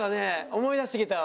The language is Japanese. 思い出してきたわ。